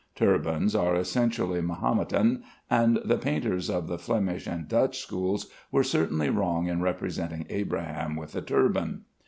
Turbans are essentially Mahometan, and the painters of the Flemish and Dutch schools were certainly wrong in representing Abraham with a turban.